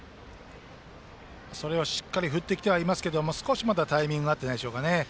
それをしっかり振ってきていますが少しまだタイミングが合っていないですかね。